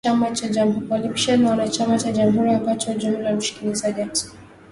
Walipishana na wanachama cha jamhuri ambao kwa ujumla walimshinikiza Jackson